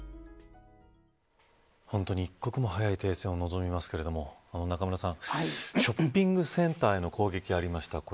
本当に一刻も早い停戦を望みますけれども中村さん、ショッピングセンターへの攻撃がありました。